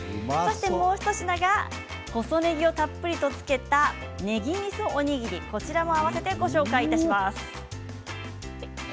もう一品が細ねぎをたっぷりつけたねぎみそおにぎりも合わせてご紹介します。